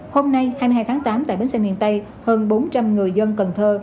hôm nay hai mươi hai tháng tám tại bến xe miền tây hơn bốn trăm linh người dân cần thơ